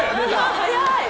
早い！